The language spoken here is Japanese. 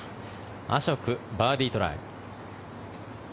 アショクバーディートライ。